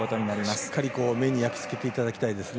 しっかり目に焼き付けていただきたいですね